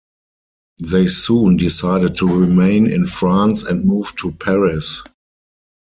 They soon decided to remain in France and moved to Paris.